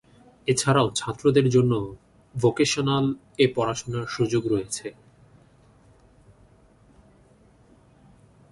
এছাড়াও ছাত্রদের জন্য ভোকেশনাল এ পড়াশুনার সুযোগ রয়েছে।